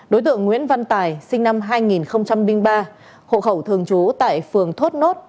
đối tượng nguyễn văn tài sinh năm hai nghìn ba hộ khẩu thường trú tại phường thốt nốt